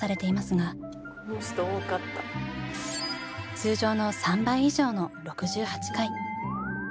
通常の３倍以上の６８回。